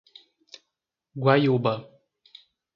Guaiúba